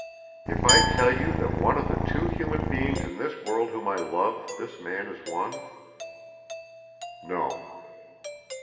"If I tell you that of the two human beings in this world whom I love this man is one?" "No."